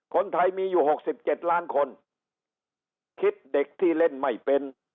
คนไทยมีอยู่๖๗ล้านคนคิดเด็กที่เล่นไม่เป็น